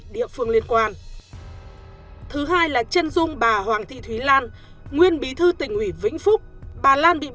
đến tháng một mươi năm hai nghìn một mươi năm bà tái đắc cử bí thư tỉnh ủy